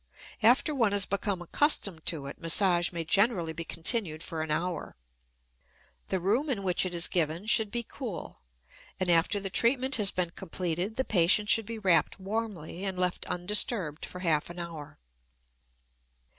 After one has become accustomed to it, massage may generally be continued for an hour. The room in which it is given should be cool, and after the treatment has been completed the patient should be wrapped warmly and left undisturbed for half an hour.